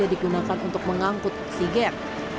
digunakan untuk mengangkut oksigen